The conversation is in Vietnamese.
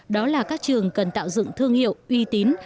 đó là các trường cần tạo dựng thương hiệu uy tín